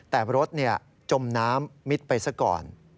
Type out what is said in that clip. แต่รถจมน้ำมิดไปซะก่อน